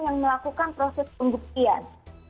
yang melakukan proses pembuktian